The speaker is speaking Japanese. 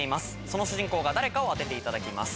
その主人公が誰かを当てていただきます。